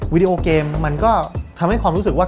วิดีโอเกมมันก็ทำให้ความรู้สึกว่า